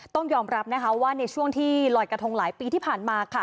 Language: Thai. ต้องยอมรับนะคะว่าในช่วงที่ลอยกระทงหลายปีที่ผ่านมาค่ะ